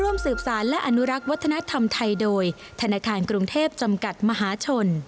ร่วมสืบสารและอนุรักษ์วัฒนธรรมไทยโดยธนาคารกรุงเทพจำกัดมหาชน